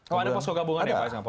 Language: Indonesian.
kalau ada posko gabungan ya pak